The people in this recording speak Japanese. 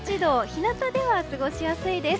日なたでは過ごしやすいです。